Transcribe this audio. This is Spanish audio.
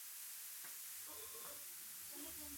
nosotras hemos bebido